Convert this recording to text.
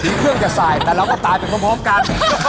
ที่เครื่องจะสายแต่เราก็ตายจากตรงพร้อมกัน